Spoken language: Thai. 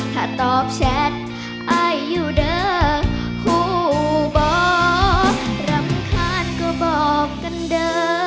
ถ้าตอบแชทอายอยู่เด้อคู่บ่รำคาญก็บอกกันเด้อ